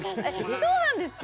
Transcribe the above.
えっそうなんですか⁉